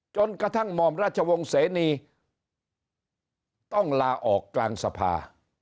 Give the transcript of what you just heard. กระทั่งหม่อมราชวงศ์เสนีต้องลาออกกลางสภา